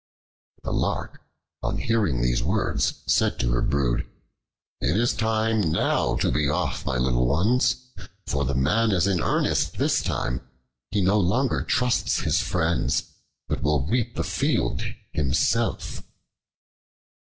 The Lark on hearing these words said to her brood, "It is time now to be off, my little ones, for the man is in earnest this time; he no longer trusts his friends, but will reap the field himself."